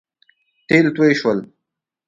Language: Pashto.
تېل توی شول